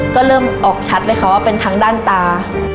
ก็เริ่มออกชัดเลยค่ะว่าเป็นทางด้านตา